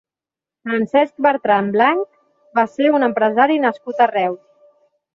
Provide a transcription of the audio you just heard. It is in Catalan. Francesc Bertran Blanch va ser un empresari nascut a Reus.